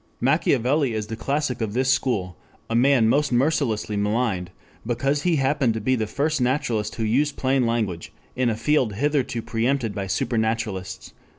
Machiavelli is the classic of this school, a man most mercilessly maligned, because he happened to be the first naturalist who used plain language in a field hitherto preempted by supernaturalists.